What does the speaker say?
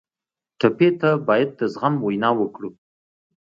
ټپي ته باید د زغم وینا وکړو.